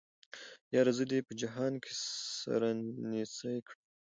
ياره زه دې په جهان کې سره نيڅۍ کړم